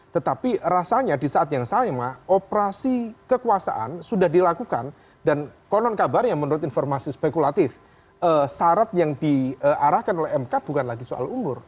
tetapi rasanya di saat yang sama operasi kekuasaan sudah dilakukan dan konon kabarnya menurut informasi spekulatif syarat yang diarahkan oleh mk bukan lagi soal umur